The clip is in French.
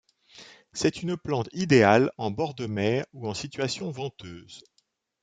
C'est une plante idéale en bord de mer ou en situation venteuse.